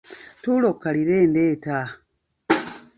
Tuula okkalire ndeeta.